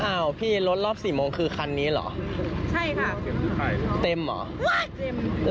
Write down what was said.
อาวพี่รถรอบสี่โมงคือคันนี้เหรอ